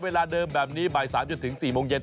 เวลาเดิมแบบนี้บ่าย๓จนถึง๔โมงเย็น